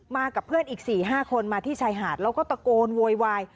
กับเพื่อนอีก๔๕คนมาที่ชายหาดแล้วก็ตะโกนโวยวาย